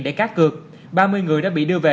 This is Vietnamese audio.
để cắt cược ba mươi người đã bị đưa về